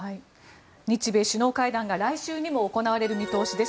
日米首脳会談が来週にも行われる見通しです。